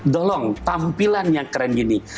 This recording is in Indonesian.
tolong tampilan yang keren gini